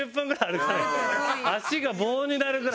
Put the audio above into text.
足が棒になるぐらい。